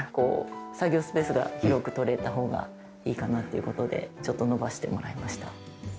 作業スペースが広くとれたほうがいいかなという事でちょっと延ばしてもらいました。